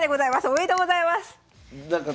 おめでとうございます。